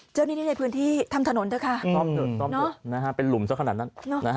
เจอนี่ในพื้นที่ทำถนนด้วยค่ะเป็นหลุมเท่าขนาดนั้น